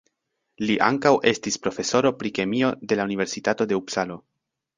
Li ankaŭ estis profesoro pri kemio de la universitato de Upsalo.